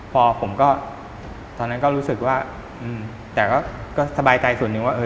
พอผมก็ตอนนั้นก็รู้สึกว่าแต่ก็สบายใจส่วนหนึ่งว่า